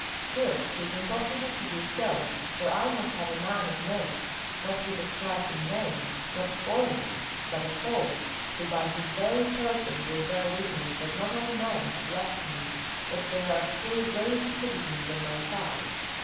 Still 'tis impossible to do so, for I must have a man of note, not with a trifling name, not a foreigner, but a Pole, who by his very person will bear witness that not all men have left me, that there are still weighty citizens on my side.